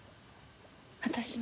私も。